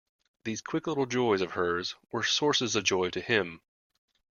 These quick little joys of hers were sources of joy to him.